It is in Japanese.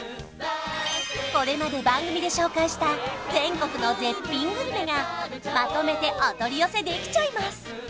これまで番組で紹介した全国の絶品グルメがまとめてお取り寄せできちゃいます